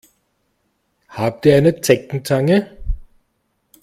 Habt ihr eine Zeckenzange?